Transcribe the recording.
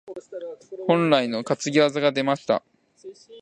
本来の担ぎ技が出ました。